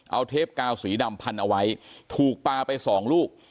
เอาเทปกาวสีดำพันเอาไว้ถูกปลาไปสองลูก